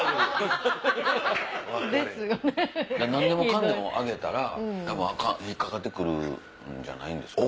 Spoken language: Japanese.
何でもかんでも上げたら引っ掛かるんじゃないんですか？